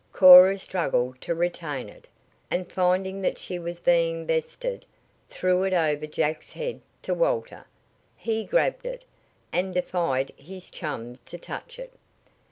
Cora struggled to retain it, and finding that she was being bested, threw it over Jack's head to Walter. He grabbed it, and defied his chum to touch it.